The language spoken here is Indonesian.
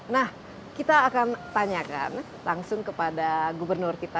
nah kita akan tanyakan langsung kepada gubernur kita